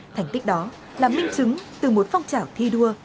thành tích đó là minh chứng từ một phong trào thi đua